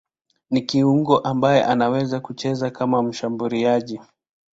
Ni kiungo ambaye anaweza kucheza kama mshambuliaji.